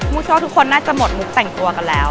เชื่อว่าทุกคนน่าจะหมดมุกแต่งตัวกันแล้ว